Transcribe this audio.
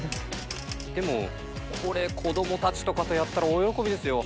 でもこれ子供たちとかとやったら大喜びですよ。